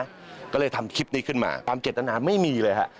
ก็เลยทำคลิปนี้ขึ้นมาตามเจตนาไม่มีเลยฮะ